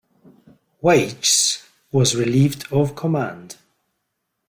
Weichs was relieved of command.